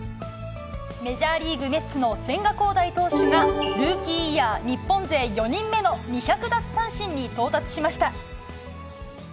メジャーリーグ・メッツの千賀滉大投手が、ルーキーイヤー日本勢４人目の２００奪三振に到達しました。